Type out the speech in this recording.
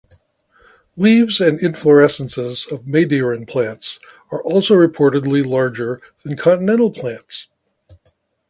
Leaves and inflorescences of Madeiran plants are also reportedly larger than continental plants.